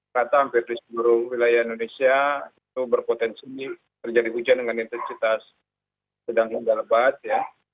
rata hampir di seluruh wilayah indonesia itu berpotensi terjadi hujan dengan intensitas sedang hingga lebat ya